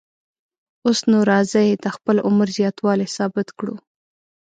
اوس نو راځئ د خپل عمر زیاتوالی ثابت کړو.